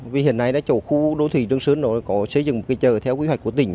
vì hiện nay chỗ khu đô thị trương sơn có xây dựng một cái chợ theo quy hoạch của tỉnh